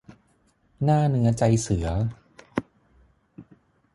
หน้าเนื้อใจเสือ